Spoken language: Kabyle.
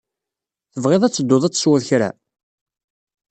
Tebɣiḍ ad tedduḍ ad tesweḍ kra?